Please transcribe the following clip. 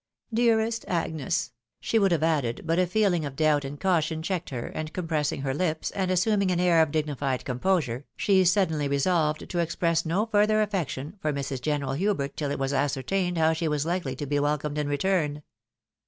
" Dearest —" Agnes! she would have added, but a feeUng of doubt and caution checked her, and compressing her Ups, and G 2 100 THE WIDOW MARRIED. assuming an air of dignified composure, she suddenly resolved to express no further affection for Mrs. General Hubert till it was ascertained how she was likely to be welcomed in return.